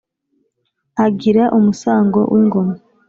agira umusango w’ingoma